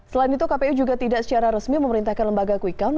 selain itu kpu juga tidak secara resmi memerintahkan lembaga quick count